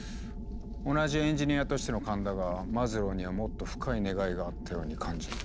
同じエンジニアとしての勘だがマズローにはもっと深い願いがあったように感じる。